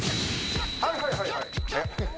えっ？